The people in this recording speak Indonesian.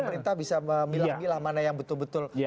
pemerintah bisa memilangilah mana yang betul betul